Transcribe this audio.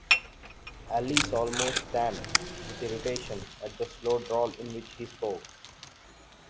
Alice almost stamped with irritation at the slow drawl in which he spoke.